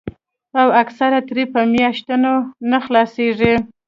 او اکثر ترې پۀ مياشتو نۀ خلاصيږي